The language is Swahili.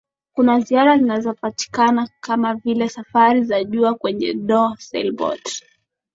Kuna ziara zinazopatikana kama vile safari za jua kwenye Dhow sailboat